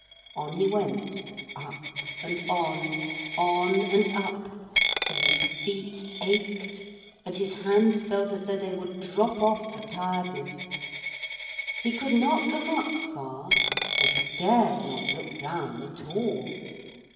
On he went, up and on, on and up, till his feet ached and his hands felt as though they would drop off for tiredness. He could not look up far, and he dared not look down at all.